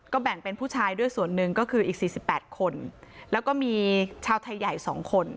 แบ่งเป็นผู้ชายด้วยส่วนหนึ่งก็คืออีก๔๘คนแล้วก็มีชาวไทยใหญ่๒คน